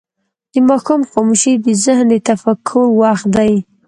د ماښام خاموشي د ذهن د تفکر وخت دی.